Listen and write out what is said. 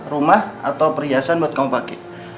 rumah atau perhiasan buat kamu pakai